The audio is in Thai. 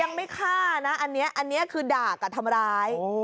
ยังไม่ฆ่านะอันนี้คือด่ากับทำร้าย